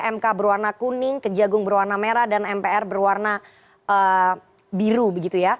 mk berwarna kuning kejagung berwarna merah dan mpr berwarna biru begitu ya